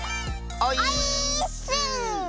オイーッス！